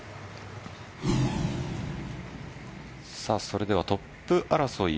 それではトップ争い